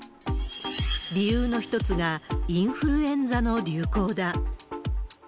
理由の一つが、インフルエンザの流行だ。